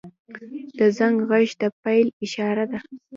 • د زنګ غږ د پیل اشاره ده.